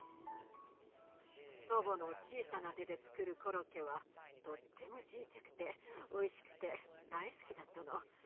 祖母の小さな手でつくるコロッケはとってもちいちゃくておいしくて大好きだったの。